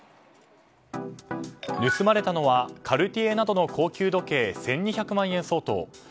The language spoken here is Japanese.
盗まれたのはカルティエなどの高級時計１２００万円相当。